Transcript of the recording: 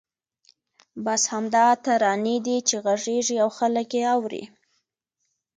بس همدا ترانې دي چې غږېږي او خلک یې اوري.